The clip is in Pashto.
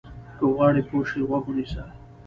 که غواړې پوه شې، غوږ ونیسه.